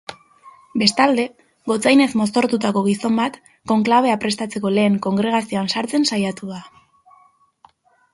Bestalde, gotzainez mozorrotutako gizon bat konklabea prestatzeko lehen kongregazioan sartzen saiatu da.